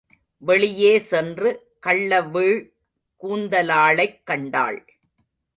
வெளியே சென்று கள்ளவிழ் கூந்தலாளைக் கண்டாள்.